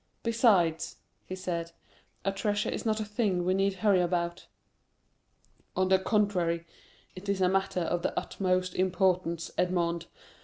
Besides," he said, "a treasure is not a thing we need hurry about." "On the contrary, it is a matter of the utmost importance, Edmond!"